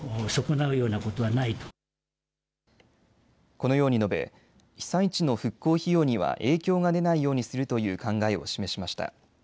このように述べ被災地の復興費用には影響が出ないようにするという考えを示しました。